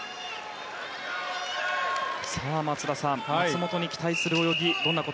松田さん松元に期待する泳ぎは？